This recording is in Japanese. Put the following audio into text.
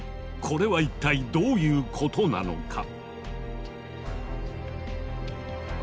これは一体どういうことなのか？